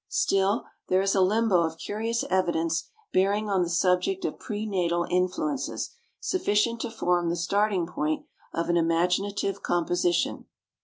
Still, there is a limbo of curious evidence bearing on the subject of pre natal influences sufficient to form the starting point of an imaginative composition.